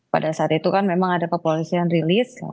pada saat itu kan memang ada kepolisian rilis